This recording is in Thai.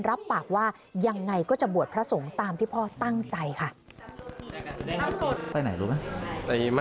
รับปากว่ายังไงก็จะบวชพระสงฆ์ตามที่พ่อตั้งใจค่ะ